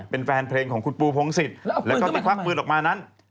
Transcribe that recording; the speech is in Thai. เป็นแฟนเพลงของคุณปูพงศิษย์แล้วก็ที่ควักปืนออกมานั้น